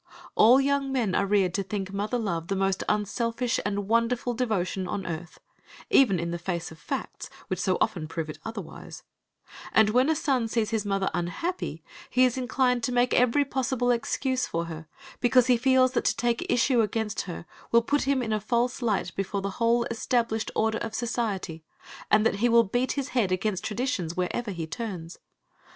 All young men are reared to think mother love the most unselfish and wonderful devotion on earth, even in the face of facts which so often prove it otherwise; and when a son sees his mother unhappy he is inclined to make every possible excuse for her, because he feels that to take issue against her will put him in a false light before the whole established order of society, and that he will beat his head against traditions wherever he turns.